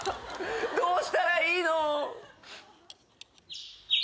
どうしたらいいの！